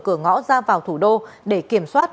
cửa ngõ ra vào thủ đô để kiểm soát